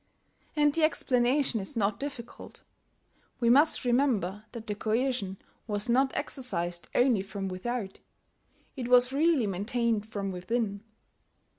And the explanation is not difficult. We must remember that the coercion was not exercised only from without: it was really maintained from within.